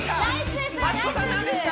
益子さんなんですか？